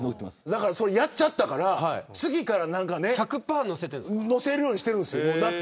それをやっちゃったから次から載せるようにしているんです。